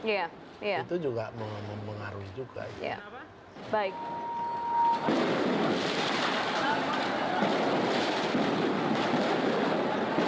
itu juga memusnahkan